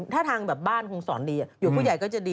ถ้าทางแบบบ้านคงสอนดีอยู่ผู้ใหญ่ก็จะดี